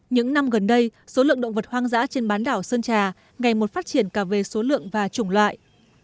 những năm gần đây số lượng động vật hoang dã trên bán đảo sơn trà ngày một phát triển cả về số lượng và chủng loại